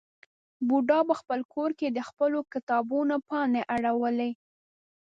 بوډا په خپل کور کې د خپلو کتابونو پاڼې اړولې.